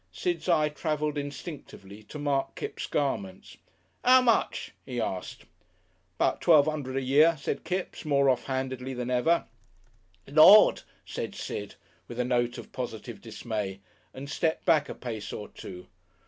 Sid's eye travelled instinctively to mark Kipps' garments. "How much?" he asked. "'Bout twelve 'undred a year," said Kipps, more offhandedly than ever. "Lord!" said Sid, with a note of positive dismay, and stepped back a pace or two.